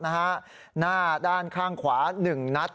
หน้าด้านข้างขวา๑นัด